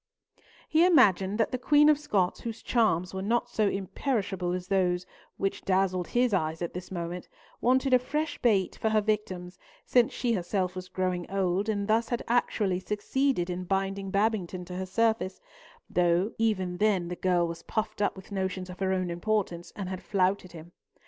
He imagined that the Queen of Scots, whose charms were not so imperishable as those which dazzled his eyes at this moment, wanted a fresh bait for her victims, since she herself was growing old, and thus had actually succeeded in binding Babington to her service, though even then the girl was puffed up with notions of her own importance and had flouted him.